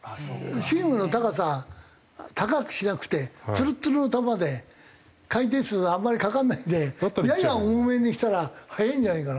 シームの高さ高くしなくてツルッツルの球で回転数あんまりかからないでやや重めにしたら速いんじゃないかな？